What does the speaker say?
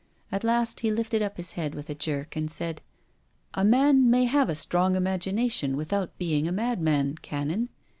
At last he lifted up his head with a jerk and said: " A man may have a strong imagination, with out being a madman, Canon.